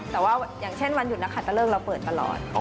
แต่ว่าอย่างเช่นวันหยุดนักขัดตะเลิกเราเปิดตลอด